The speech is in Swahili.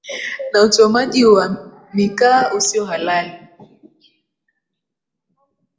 na uchomaji wa mikaa usiohalali